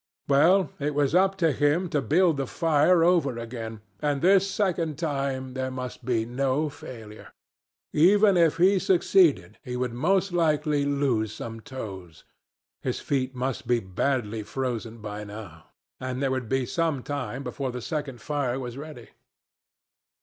Well, it was up to him to build the fire over again, and this second time there must be no failure. Even if he succeeded, he would most likely lose some toes. His feet must be badly frozen by now, and there would be some time before the second fire was ready.